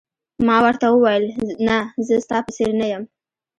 ما ورته وویل: نه، زه ستا په څېر نه یم.